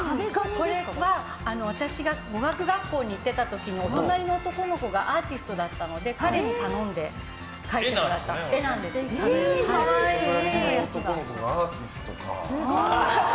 これは私が語学学校に行ってた時のお隣の男の子がアーティストだったので彼に頼んで描いてもらった隣の男の子がアーティストか。